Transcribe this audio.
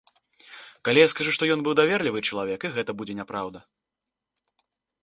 Калі я скажу, што ён быў даверлівы чалавек, і гэта будзе няпраўда.